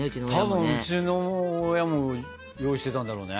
多分うちの親も用意してたんだろうね。